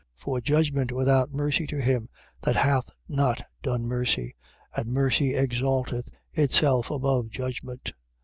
2:13. For judgment without mercy to him that hath not done mercy. And mercy exalteth itself above judgment.